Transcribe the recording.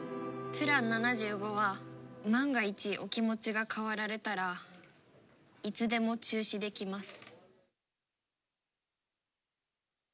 プラン７５は万が一お気持ちが変わられたらいつでも中止できます。